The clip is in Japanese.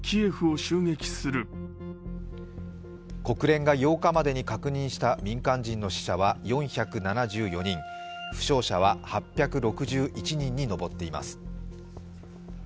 国連が８日までに確認した民間人の死者は４７４人、負傷者は８６１人に上っています。